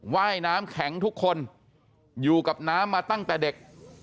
ว่ายน้ำแข็งทุกคนอยู่กับน้ำมาตั้งแต่เด็ก